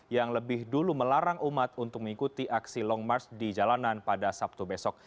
yang lebih dulu melarang umat untuk mengikuti aksi long march di jalanan pada sabtu besok